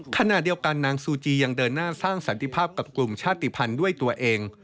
ขณะเดียวกันนางซูจียังเดินหน้าสร้างสันติภาพกับกลุ่มชาติภัณฑ์ด้วยตัวเอง